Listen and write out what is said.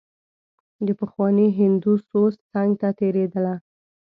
د پخواني هندو سوز څنګ ته تېرېدله.